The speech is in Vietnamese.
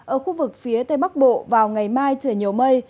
ở khu vực phía tây bắc bộ vào ngày mai trời nhiều mây